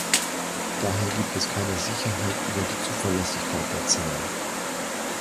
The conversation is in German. Daher gibt es keine Sicherheit über die Zuverlässigkeit der Zahlen.